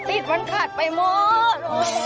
ติดมันขาดไปหมด